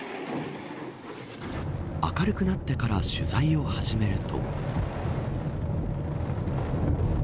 明るくなってから取材を始めると。